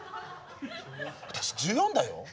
私１４だよ？